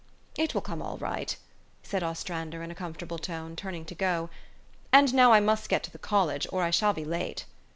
"It will all come right," said Ostrander in a comfortable tone, turning to go. " And now I must get to college, or I shall be late."